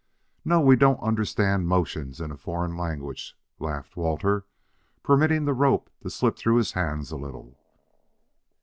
"No, we don't understand motions in a foreign language," laughed Walter, permitting the rope to slip through his hands a little.